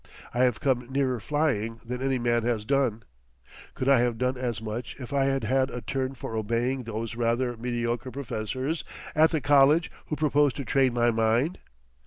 I have come nearer flying than any man has done. Could I have done as much if I had had a turn for obeying those rather mediocre professors at the college who proposed to train my mind?